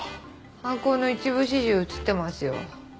犯行の一部始終映ってますよ。